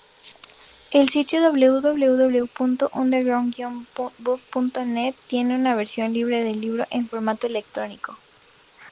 El sitio www.underground-book.net tiene una versión libre del libro en formato electrónico.